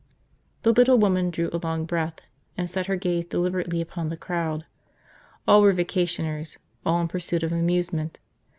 The little woman drew a long breath and set her gaze deliberately upon the crowd. All were vacationers, all in pursuit of amusement.